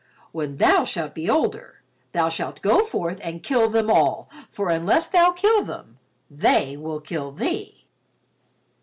When thou shalt be older, thou shalt go forth and kill them all for unless thou kill them, they will kill thee."